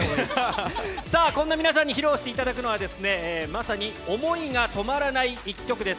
さあ、こんな皆さんに披露していただくのは、まさに思いが止まらない一曲です。